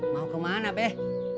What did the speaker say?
mau ke mana beh